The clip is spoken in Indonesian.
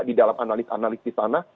di dalam analis analis di sana